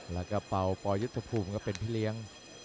แล้วก็เป่าปอยุทธภูมิก็เป็นพี่เลี้ยง